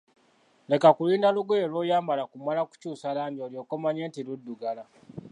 Leka kulinda lugoye lw'oyambala kumala kukyusa langi olyoke omanye nti luddugala.